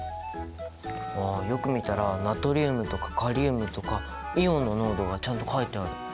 ああよく見たらナトリウムとかカリウムとかイオンの濃度がちゃんと書いてある！